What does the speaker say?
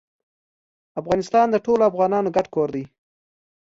افغانستان د ټولو افغانانو ګډ کور دی